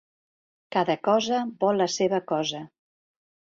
Cada cosa vol la seva cosa.